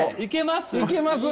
いけます？